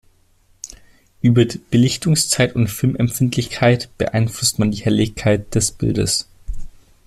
Über Belichtungszeit und Filmempfindlichkeit beeinflusst man die Helligkeit des Bildes.